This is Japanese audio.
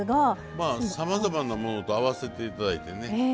さまざまなものと合わせていただいてね